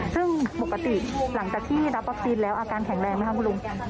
ซึ่งปกติหลังจากที่รับวัคซีนแล้วอาการแข็งแรงไหมครับคุณลุง